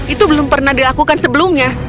itu belum pernah dilakukan sebelumnya